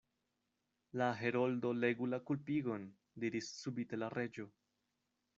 "La Heroldo legu la kulpigon," diris subite la Reĝo.